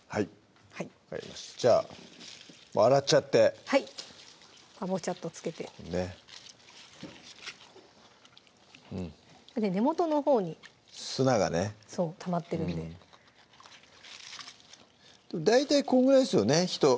はい分かりましたじゃあ洗っちゃってボチャッとつけて根元のほうに砂がねそうたまってるんで大体こんぐらいですよね